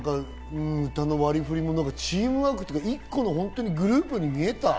歌の割り振りもチームワークで１個のグループに見えた。